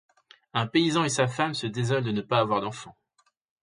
Un paysan et sa femme se désolent de ne pas avoir d'enfants.